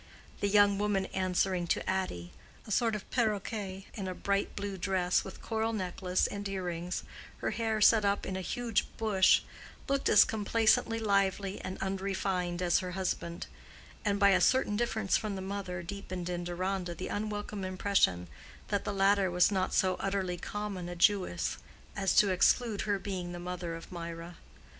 The young woman answering to "Addy"—a sort of paroquet in a bright blue dress, with coral necklace and earrings, her hair set up in a huge bush—looked as complacently lively and unrefined as her husband; and by a certain difference from the mother deepened in Deronda the unwelcome impression that the latter was not so utterly common a Jewess as to exclude her being the mother of Mirah.